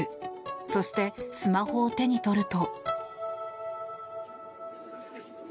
そして、スマホを手に取ると。